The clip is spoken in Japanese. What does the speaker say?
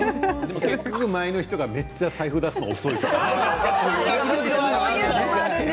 結構、前の人がめっちゃ財布を出すのが遅いとかね。